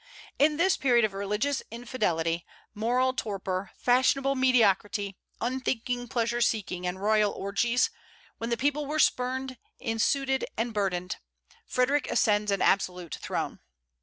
In this period of religious infidelity, moral torpor, fashionable mediocrity, unthinking pleasure seeking, and royal orgies; when the people were spurned, insuited and burdened, Frederic ascends an absolute throne.